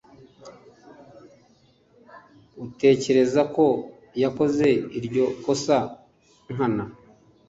utekereza ko yakoze iryo kosa nkana